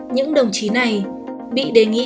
những đồng chí này bị đề nghị